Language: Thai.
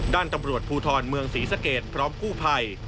ด้านตำรวจภูทรเมืองศรีสะเกดพร้อมกู้ภัย